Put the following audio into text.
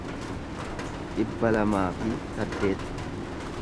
dhibba lamaa fi saddeet